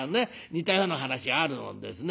似たような話あるもんですね。